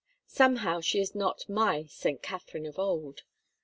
Somehow she is not my "St Catherine" of old.